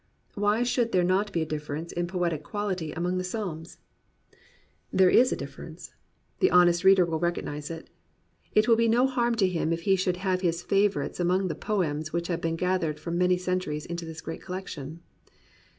Why should there not be a difference in poetic quality among the Psalms? 56 POETRY IN THE PSALMS There is a difference. The honest reader will recognize it. It will be no harm to him if he should have his favourites among the poems which have been gathered from many centuries into this great collection.